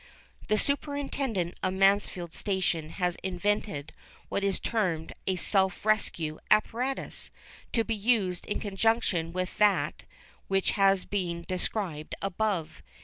The superintendent of the Mansfield station has invented what is termed a "self rescue" apparatus, to be used in conjunction with that which has been described above.